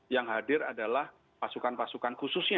yang hadir adalah pasukan pasukan khususnya